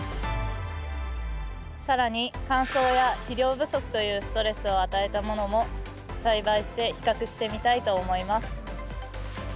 更に乾燥や肥料不足というストレスを与えたものも栽培して比較してみたいと思います。